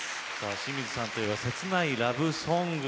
清水さんと言えば切ないラブソング